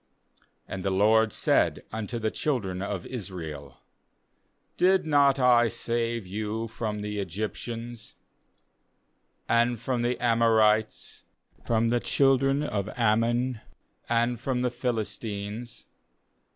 uAnd the LORD said unto the children of Israel: 'Did not I save you from the Egyptians, and from the Amorites, from the ^ children of Ammon, and from the Philistines?